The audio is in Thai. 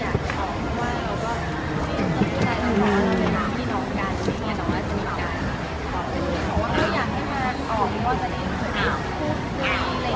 หืมแต่เราจะได้ใครหรือคนที่แก้มมาเป็นสุทธิ์ละคำว่า